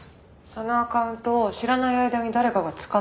そのアカウントを知らない間に誰かが使ってるんです。